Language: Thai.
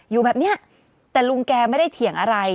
อยู่แบบเนี้ยแต่ลุงแกไม่ได้เถียงอะไร